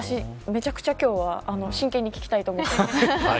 めちゃくちゃ今日は真剣に聞きたいと思っています。